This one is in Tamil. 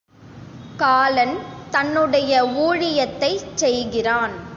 காலன் தன்னுடைய ஊழியத்தைச் செய்கிறான்.